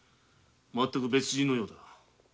まったく別人のようだ。